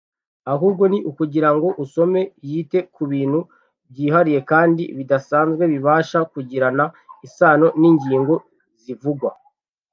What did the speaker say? ahubwo ni ukugira ngo usoma yite ku bintu byihariye kandi bidasanzwe bibasha kugirana isano n’ingingo zivugwa.